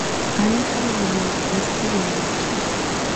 განვითარებულია ტურისტული ინდუსტრია.